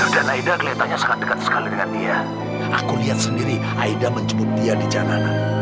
dan aida keliatannya sangat dekat sekali dengan dia aku liat sendiri aida menjemput dia di jalanan